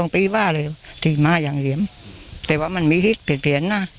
๒ปีว่าเลยที่มาอย่างเหลี่ยมแต่ว่ามันมีที่เปลี่ยนนะ